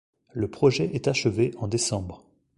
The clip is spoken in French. Le projet est achevé en décembre.